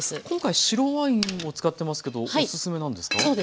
今回白ワインを使ってますけどおすすめなんですか？